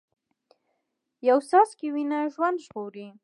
یو څاڅکی وینه ژوند ژغوري